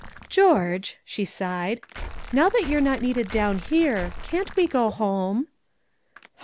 "George,"' she sighed, "now that you're not needed down here, can't we go home?"